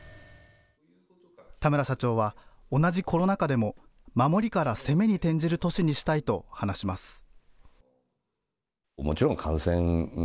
田村社長は同じコロナ禍でも守りから攻めに転じる年にしたいと話します。